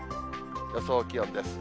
予想気温です。